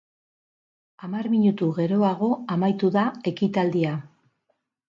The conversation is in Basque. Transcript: Hamar minutu geroago amaitu da ekitaldia.